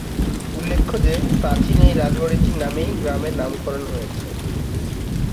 উল্লেখ্য যে, প্রাচীন এই রাজ বাড়িটির নামেই গ্রামের নামকরণ হয়েছে।